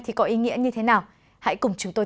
thì có ý nghĩa như thế nào hãy cùng chúng tôi